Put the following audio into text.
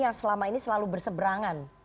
yang selama ini selalu berseberangan